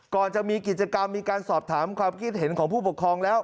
ก่อนจะมีกิจกรรมมีการสอบถามความคิดเห็นของผู้ปกครองแล้ว